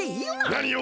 なにを！